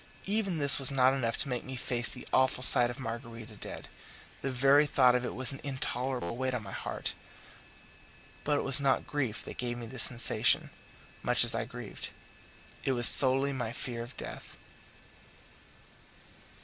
Even this was not enough to make me face the awful sight of Margarita dead; the very thought of it was an intolerable weight on my heart; but it was not grief that gave me this sensation, much as I grieved; it was solely my fear of death.